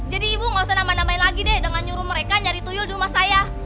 jadi ibu tidak usah nama namain lagi dengan nyuruh mereka nyari tuyul di rumah saya